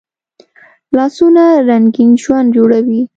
لاسونه رنګین ژوند جوړوي